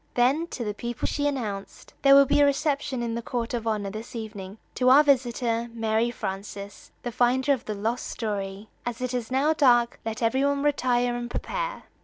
Then to the people she announced: "There will be a reception in the court of honor this evening to our visitor, Mary Frances, the finder of the lost story. As it is now dark, let every one retire and prepare."